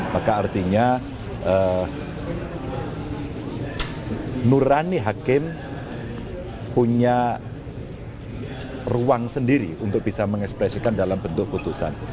maka artinya nurani hakim punya ruang sendiri untuk bisa mengekspresikan dalam bentuk putusan